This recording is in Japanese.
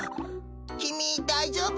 きみだいじょうぶ？